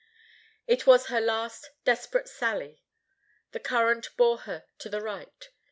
It was her last desperate sally. The current bore her to the right.